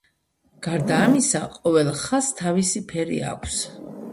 გარდა ამისა, ყოველ ხაზს თავისი ფერი აქვს.